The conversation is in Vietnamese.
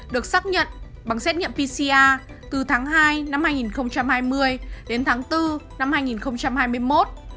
được xác nhận bằng xét nghiệm pcr từ tháng hai năm hai nghìn hai mươi đến tháng bốn năm hai nghìn hai mươi một